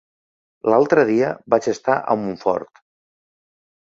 L'altre dia vaig estar a Montfort.